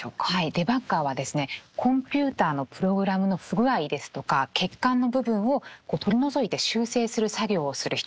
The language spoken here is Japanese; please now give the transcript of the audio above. デバッガーはですねコンピューターのプログラムの不具合ですとか欠陥の部分を取り除いて修正する作業をする人のことをいいます。